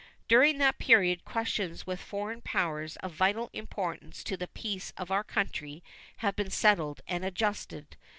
During that period questions with foreign powers of vital importance to the peace of our country have been settled and adjusted.